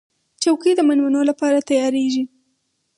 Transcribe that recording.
چوکۍ د مېلمنو لپاره تیارېږي.